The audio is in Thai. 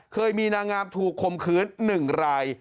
เคยมีนางงามถูกคมคืน๑ราย